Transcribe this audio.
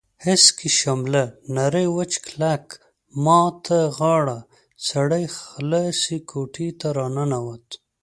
هسکې شمله نری وچ کلک، ما ته غاړه سړی خلاصې کوټې ته راننوت.